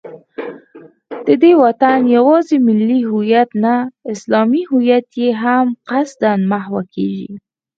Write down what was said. د دې وطن یوازې ملي هویت نه، اسلامي هویت یې هم قصدا محوه کېږي